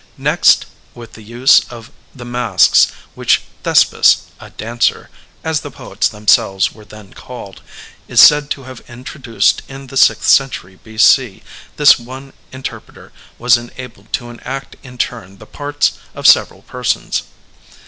Next, with the use of the masks which Thespis, a dancer*' (as the poets themselves were then called), is said to have introduced in the sixth century B. C, this one interpreter was enabled to enact in turn the parts of several persons.